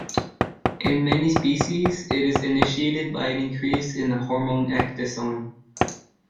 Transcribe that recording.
In many species it is initiated by an increase in the hormone ecdysone.